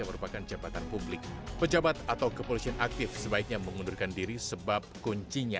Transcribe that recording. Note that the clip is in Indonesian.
yang merupakan jabatan publik pejabat atau kepolisian aktif sebaiknya mengundurkan diri sebab kuncinya